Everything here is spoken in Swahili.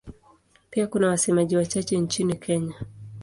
Pia kuna wasemaji wachache nchini Kenya.